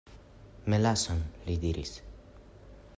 "Melason," li diris.